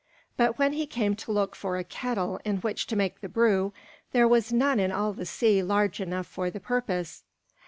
But when he came to look for a kettle in which to make the brew, there was none in all the sea large enough for the purpose.